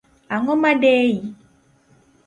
Ang’o madei?